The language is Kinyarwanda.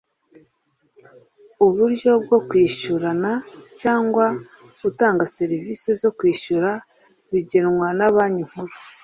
uburyo bwo kwishyurana cyangwa utanga serivisi zo kwishyura bigenwa na banki nkuru